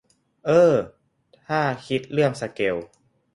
เอ้อ ถ้าคิดเรื่องสเกล